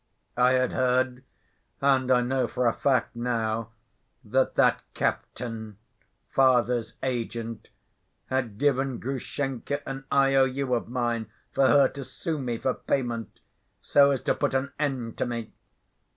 I had heard, and I know for a fact now, that that captain, father's agent, had given Grushenka an I.O.U. of mine for her to sue me for payment, so as to put an end to me.